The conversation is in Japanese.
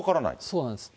そうなんです。